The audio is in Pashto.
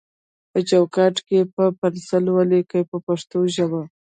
په چوکاټ کې یې په پنسل ولیکئ په پښتو ژبه.